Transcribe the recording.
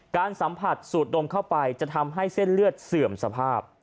การสัมผัสสูดดมเข้าไปจะทำให้เส้นเลือดเสื่อมสภาพ